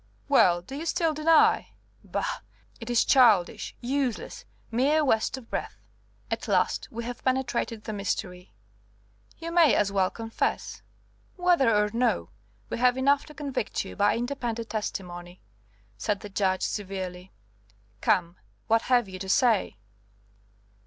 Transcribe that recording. "Well, do you still deny? Bah! it is childish, useless, mere waste of breath. At last we have penetrated the mystery. You may as well confess. Whether or no, we have enough to convict you by independent testimony," said the Judge, severely. "Come, what have you to say?"